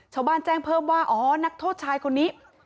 แจ้งเพิ่มว่าอ๋อนักโทษชายคนนี้